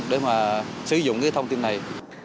để mà sử dụng cái thông tin này